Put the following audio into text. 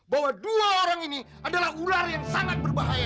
bahwa dua orang ini adalah ular yang sangat berbahaya